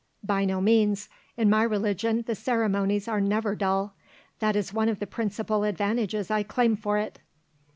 "By no means; in my religion the ceremonies are never dull; that is one of the principal advantages I claim for it."